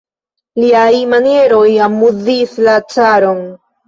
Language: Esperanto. Liaj manieroj amuzis la caron.